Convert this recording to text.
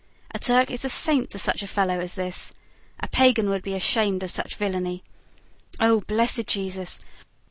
A Turk is a saint to such a fellow as this. A Pagan would be ashamed of such villany. Oh blessed Jesus!